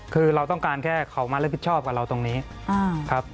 คือเราต้องการแค่เขามารับผิดชอบกับเราตรงนี้ครับ